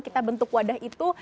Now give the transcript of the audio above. kita bentuk wadah itu